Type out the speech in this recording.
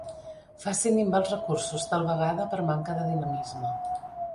Faci minvar els recursos, tal vegada per manca de dinamisme.